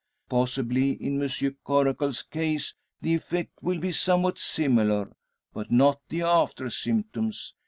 Possibly, in Monsieur Coracle's case the effect will be somewhat similar; but not the after symptoms.